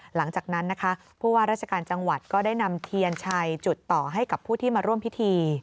หลังจากนั้นนะคะผู้ว่าราชการจังหวัดก็ได้นำเทียนชัยจุดต่อให้กับผู้ที่มาร่วมพิธี